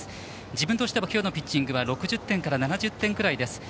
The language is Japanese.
自分としても今日のピッチングは６０点から７０点ぐらいですと。